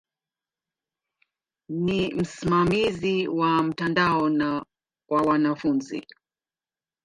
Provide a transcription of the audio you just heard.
Ni msimamizi wa mtandao na wa wanafunzi.